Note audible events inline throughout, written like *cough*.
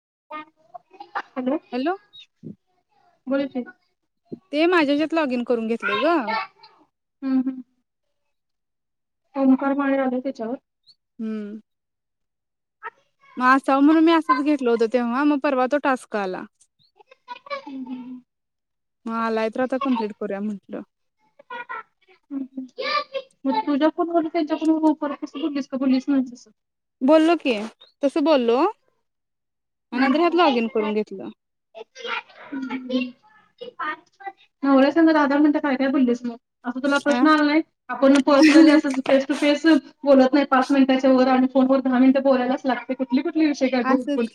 *unintelligible* Hello बोल की ते माझ्या याच्यात लॉग इन करून घेतलेय गं हम्म हम्म ओंकार माळी आलय तेच्यावर हम्म मग असावं म्हणून मी असंच घेतलं होतं तेव्हा मग परवा तो टास्क आला म आलाय तर आता कम्प्लीट करूया म्हटलं हम् हम् मग तुझ्या फोन वरून त्यांच्या फोनवरुन परत कसं बोललीस, का बोललीस नाही तसं? बोललो की तसं बोललो उम आणि हम् नंतर ह्यात लॉग हम् इन करून घेतलं हम् नवऱ्या संग दहा दहा मिनटं काय काय बोललीस मग? असं तुला अ प्रश्न आला नाही, आपण पर्सनली असं फेस टू फेस बोलत नाही पाच मिनिटाच्या वर आणि फोनवर दहा मिनटं बोलायलाच लागतंय कुटली कुट तो विषय काय गो पण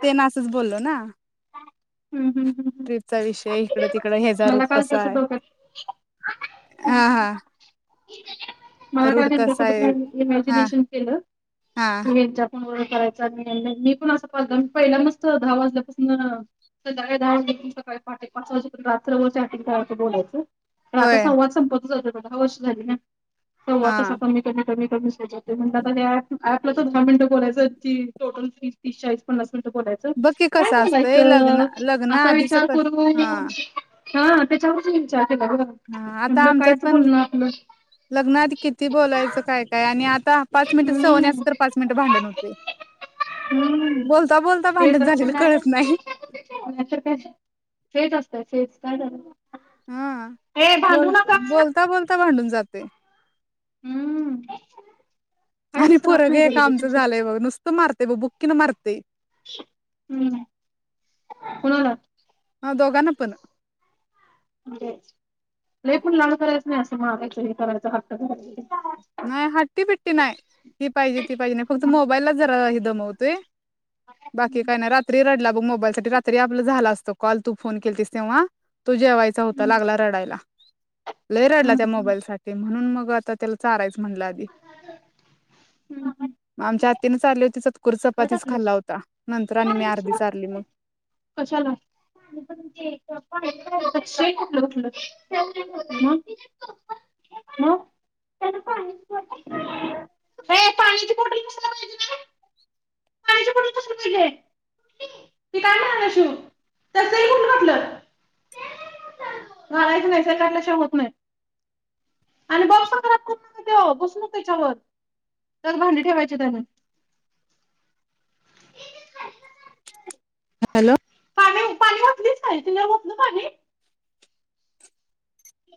ते ना असच बोललो ना! हम्म हम् ट्रिपचा विषय हिकडं तिकडं हेजा मला रूट काल कसा तसं आय, डोक्यात हा हा इत ठेव मला का रूट कसा आहे *unintelligible* हा इमॅजिनेशन केलं हा आणि हेंच्या फोनवर करायचा *unintelligible* मी पण असं पगन पहिला मस्त दहा वाजल्यापासनं, संध्याकाळी दहा वाजेपर्यंत, सकाळी पहाटे पाच वाजेपर्यंत रात्रभर चॅटिंग करायचं बोलायचं त आता होय संवाद संपत आलंय दहा वर्ष झाली ना हा संवाद तसा कमी कमी कमी कमीच होत जातोय म्हणलं आता हे अँप अँपला तर दहा मिनटं बोलायचंय ती टोटल फीज तीस चाळीस पन्नास मिनिटं बोलायचं, बघ की काय कसं असतंय लग्न बोलायचं? लग्न असा आधीच विचार कस हा करून हा त्याच्यावरच विंचार हा आता आमच्यात पण आपलं लग्ना आधी किती बोलायचं काय काय आणि आत हम्म होते. हम्म बोलता बोलता तेच भांडण असत झालेलं कळत नाही. नाहीतर काय तेच असत तेच *inaudible* हा हे भांडू बोल नका बोलता बोलता भांडून जात *inaudible* हम्म काय आणि तसं राहत फरक नाही ग आहे का आमचं रिलेशनशिप झालंय बग नुसतं मारत बघ बुक्कीन मारतय कोणाला? दोघांना पण लई पण लाड करायचं नाही असं मारायचं हे करायचं हट्ट धरायचा नाही हट्टी पिट्टी नाही ती पाहिजे ती पाहिजे नाही फक्त मोबाईललाच जरा हे दमवतोय बाकी काय नाही रात्री रडला बघ मोबाईल साठी रात्री आपलं झाला अस तो कॉल तू फोन केलंतीस तेव्हा तो जेवायचा होता हम्म लागला रडायला लई राडला त्या हम्म मोबाईल साठी म्हणून मग भातात त्याला चारायच- म्हणलं आधी हम्म आमच्या आ त्यानं चारल्यावर तीच काय टाकलं अर्धी चारली मग कशाला? *unintelligible* पाण्याची बॉटल कशाला पाहिजे *unintelligible* आणि बॉक्स पण खराब करू नका तो बसू नको त्याच्यावर त्यात भांडी ठेवायची आणून हॅलो पाणी पाणी ओतलीच काय तिने ओतलं पाणी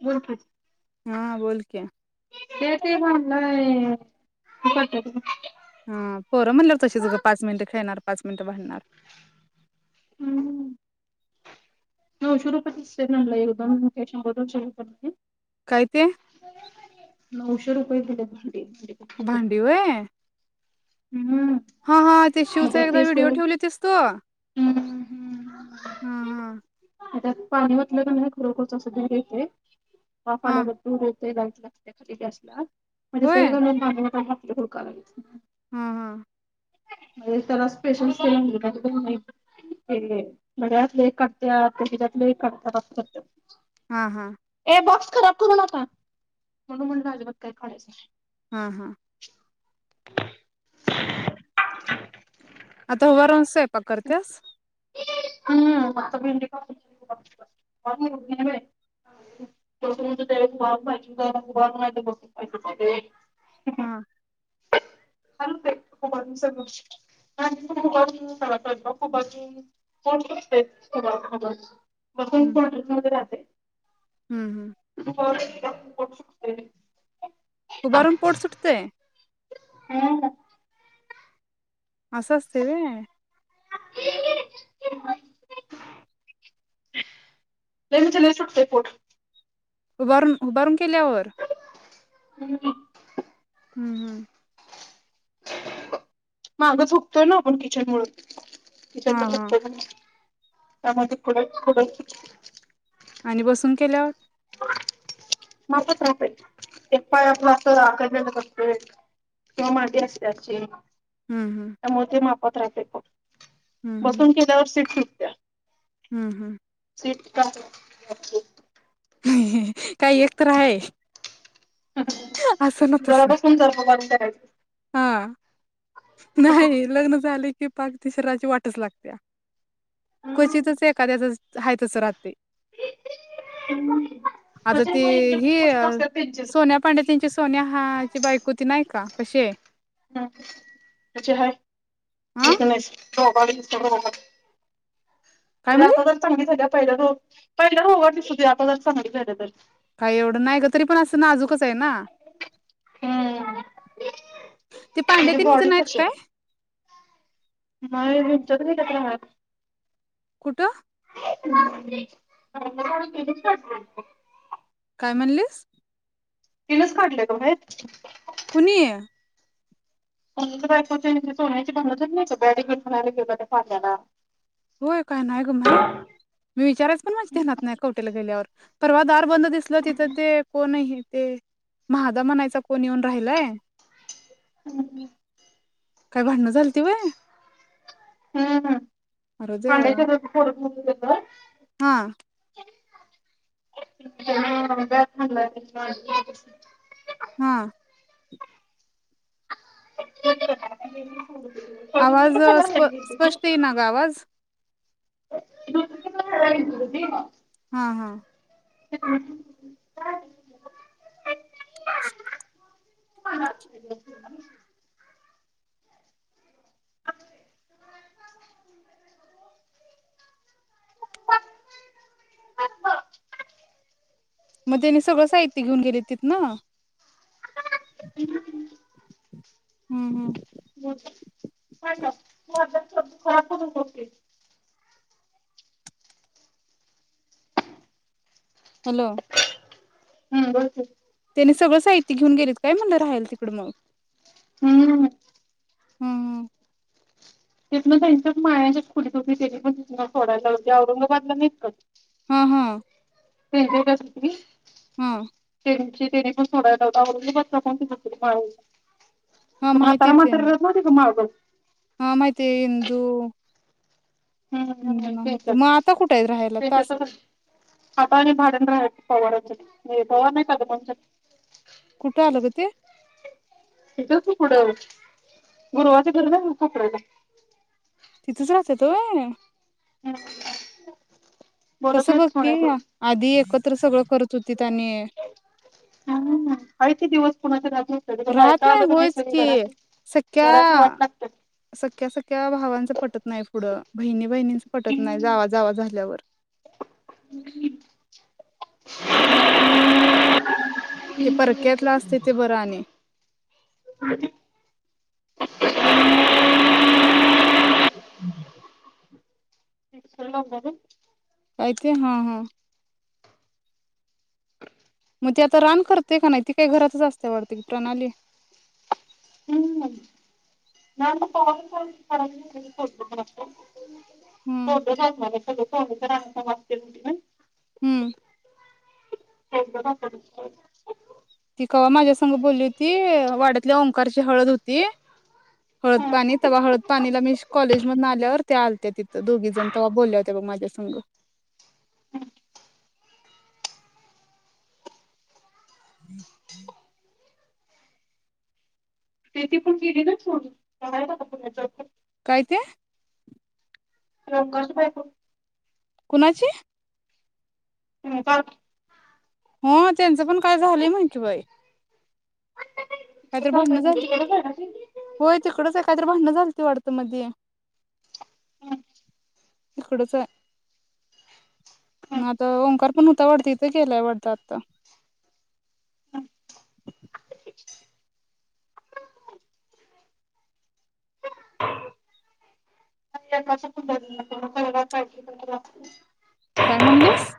बोल की हा बोल क्या *inaudible* हा पोरं म्हणल्यावर तशीच ग पाच मिनट खेळणार पाच मिनटं भांडणार हूं नवशे रुपयाचे *unintelligible* म्हटलं शंभर दोनशे रुपये *unintelligible* काय ते नऊशे रुपये दिले भा भांडी व्हय हम्म हा हा ते मग शिवचा त्यात एकदा तेच व्हिडिओ ते ठेवली होतीस तो हा हा त्यात पाणी ओतलं क नाही खरोखरच अस ढग येते *unintelligible* हा बदलुन घे ते लाईट लागत्या खाली डॅशला म्हणजे होय सेल घालून चालू होत *unintelligible* हुडकाल्यात हा हा म्हणजे त्याला स्पेशल घ *unintelligible* *unintelligible* *inaudible* हा हा बॉक्स खराब करू नका म्हणुन म्हटलं आजिबात काय काढायच नाय हा हा *inaudible* आता उभा राहून स्वयंपाक करत्यास *inaudible* *unintelligible* हा *unintelligible* *inaudible* बसून हम्म फूल फ्रीज मध्ये राहतंय हम्म हम्म *inaudible* *unintelligible* उभा राहून पोट सुटतय *unintelligible* असं असतय व्हय *unintelligible* त्यानी सगळं सुटतय पोट उभारून उभारून केल्यावर *inaudible* हम्म हम्म मागं झोकतोय ना आपण किचन मूळ *unintelligible* *inaudible* हा हा त्यामुळं ते कडक कडक आणि बसून केल्यावर माझा दुसरा पाय, एक पाय आपलं असं आखडलेलं असतोय किंवा मांडी असतेय अशी हम्म हम्म त्यामुळे ते माफ *unintelligible* हम्म हम्म बसून केल्यावर शिकतो. हम्म हम्म *unintelligible* काय एक तर आहे. असं ना तसं. घरापासून जरा *unintelligible* करायच हां नाही लग्न झालंय. ती पाक ती शरीराची वाटच लागत्याय. क्वचितच एखाद्याचंच हाय तसं राहतंय. आता म्हणजे ती मग जे हि, खूप क्वेश्चन असतात त्यांचेच सोन्या पांडे त्यांची सोनिया हाय बायको ती नाही का? कशी हाय? हम्म त्याचे आहेत हां, इंटरनॅशन रोगाट दिसतो रोगाट काय तरी म्हणली? आता जरा चांगली झाल्या. पहिल्या पहिल्या रोगाट दिसत होती, आता जरा चांगली झाल्या तर काही एवढं नाही ग तरी पण असं नाजुकचं हाय ना, हम्म ते पांड्या तिची तेन हित बॉडी नाहीत कशी काय? आहे? नाही ह्याच्यात गेल्यात राहायला. कुठं? *inaudible* काय म्हणलीस. तिनच काढलं काय बाहेर कुणी? पनूची बायकोची आणि सोन्याची भांडण झाली नाही का बॅट बॉल खेळायला गेली पाल्याला होय काय नाही ग माहित, मी विचारायच पण माझ्या ध्यानात नाही कवटेला गेल्यावर. परवा दार बंद. दिसल तिथं ते कोण हाय की ते महादा म्हणायचा कोण येऊन राहिलाय. *unintelligible* काय भांडणं झालीती व्हय? हम्म हम्म अरे देवा! पांड्याच्या हातात पोर खुश होतात. काय? हा *inaudible* हा *inaudible* आवाज स्प स्पष्ट येई ना ग आवाज *inaudible* हा हा *inaudible* *inaudible* मग त्याने सगळं साहित्य घेऊन गेलेत तिथंन *inaudible* हूं हूं *inaudible* हॅलो हूं बोल की त्यांनी सगळं साहित्य घेऊन गेलेत काय म्हणल राहायला तिकडं मग हूं हूं हूं तिथनं त्यांच्या मायाच्या खोलीत होती त्यांनी पण तिथं सोडायला लावले औरंगाबादला नाहीत का हा हा *unintelligible* हं त्यांची तेनी पण सोडायला लावली औरंगाबादचा हा *unintelligible* म्हातारा माहितीय म्हातारी राहतं नव्हती काय माग माहितीये इंदू हूं इंदू हूं ना मग त्याच्याकड आता कुठं आहेत राहायला त्यांच्या तास संग आता आणि भाड्यान राहायच पवाराच्यात ते पवार नाय का गं त्यांच्यात कुठं आलं गं ते त्याच्या की पुढं गुरवाची घरं नाही व्हय कोपऱ्याला तिथेच राहत्यात होयं *inaudible* कसं नाहीत बघ की सोन्या ताई आधी एकत्र सगळं करत तिथं आणि हम्म आहे *unintelligible* राहत बायका नाही आलं का होयच सगळी की घराची सख्या घराची वाट लागत्यात सख्या सख्या भावांचं पटत नाही पुढं बहिणी बहिणींचं पटत नाही जावा जावा झाल्यावर *inaudible* ते परक्यातल असतय ते बरं आणि *inaudible* काय ते हा हा म ती आता रान करते का नाही ती काय घरातच असते वाटत की प्रणाली *unintelligible* *unintelligible* हम्म *inaudible* हम्म *unintelligible* ती कवा माझ्या संग बोलली होती वाड्यातल्या ओंकारची हळद होती हळद पाणी तेव्हा हळद पाणी ला काॅलेज मधन आल्यावर ते आलत्या तिथं दोघी जण तेव्हा बोल्या होत्या बघ माझ्या संग हम् हम्म हम्म ती ती पण गेली ग सोडुन *unintelligible* काय ते? रंगाची बायको कुणाची? *unintelligible* हो त्यांचं पण काय झालंय म्हण कि बाई काहीतरी जातोय भांडणं म्हणजे झालती तिकडे जाणार ती. होय हम्म, तिकडंच आहे काय तर भांडण झालती वाढत मधी इकडच हाय हम्म, आता ओंकार पण हुता वाटत इथं गेलाय वाटत आता हम्म. *inaudible* *unintelligible* पाहिजे काय म्हणालीस?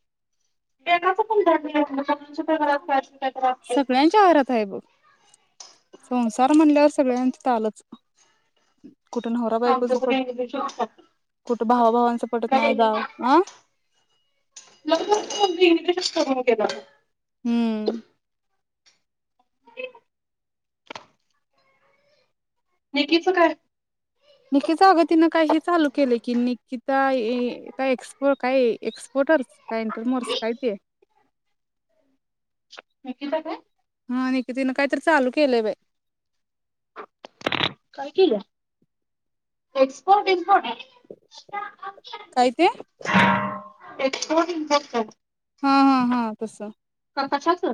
*unintelligible* पण तर असते. सगळ्यांच्या घरात आहे बघं संसार म्हणल्यावर सगळ्यांच्यात आलंच *inaudible* बायकोचं आमच पण पट इंग्लिश कुठं भावा भावांचं पटत नाही जाव अ वाचालत *unintelligible* केला होता हम्म *unintelligible* नितीच काय निक्कीच अगं तीनं काही चालू केलं की निकिता ए काय एसपो काय एक्सपोर्टर्स काय इंटरमोर्स काय ते? हितं काय? हां निक्की तीन काहीतर चालू केलंय बाई काय केल्या एक्सपोर्ट एसपोर्ट काय ते? एक्सपोर्ट इनपोर्ट काय हां हां हां तसं कशाच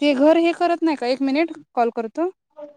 ते घर हे करत नाही का एक मिनिट कॉल करतो हो